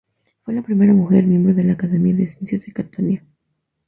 Fue la primera mujer miembro de la Academia de Ciencias de Catania.